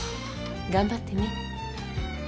頑張ってね。